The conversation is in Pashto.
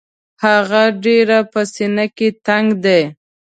هغه ډېر په سینه کې تنګ دی.